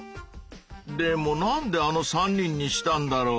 でもなんであの３人にしたんだろう？